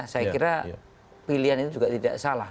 saya kira pilihan itu juga tidak salah